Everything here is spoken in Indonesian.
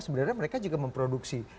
sebenarnya mereka juga memproduksi